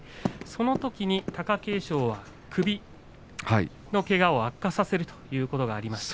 そのときには貴景勝は首のけがを悪化させるということがありました。